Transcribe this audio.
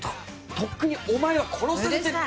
とっくにお前は殺されてる。